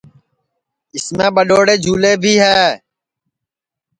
اُس میں ٻڈؔوڑے جھولے بھی ہے